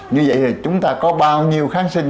như vậy thì chúng ta có bao nhiêu kháng sinh